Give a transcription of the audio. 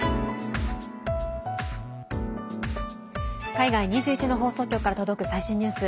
海外２１の放送局から届く最新ニュース。